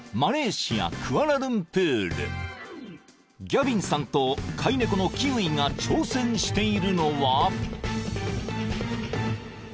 ［ギャビンさんと飼い猫のキウイが挑戦しているのは］